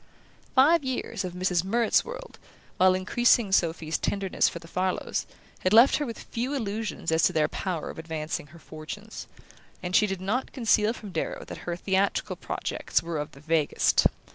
Five years of Mrs. Murrett's world, while increasing Sophy's tenderness for the Farlows, had left her with few illusions as to their power of advancing her fortunes; and she did not conceal from Darrow that her theatrical projects were of the vaguest.